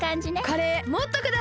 カレーもっとください！